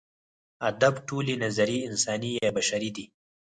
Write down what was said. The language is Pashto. ادب ټولې نظریې انساني یا بشري دي.